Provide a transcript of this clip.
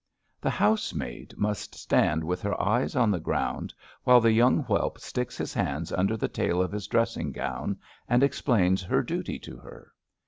The housemaid must stand with her eyes THE NEW DISPENSATION— I 283 on the ground while the young whelp sticks his hands under the tail of his dressing gown and explams her duty to her.